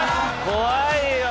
怖いよ。